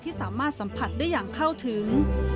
สามารถสัมผัสได้อย่างเข้าถึง